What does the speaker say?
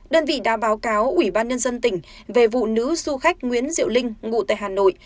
đơn vị đã báo cáo ủy ban nhân dân tỉnh về vụ nữ du khách nguyễn diệu linh ngụ tại hà nội